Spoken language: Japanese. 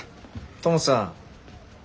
トムさん。